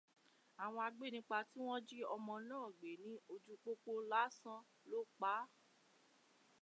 Àwọn agbénipa tí wọ́n jí ọmọ náà gbé ní ojú pópó lásán ló paá